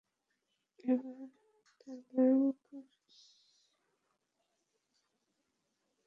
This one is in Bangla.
এবার তাঁর ভয়ংকর মন্তব্যের পরে তাঁকে তিরস্কার করা হয়েছে বলে জানা যায়নি।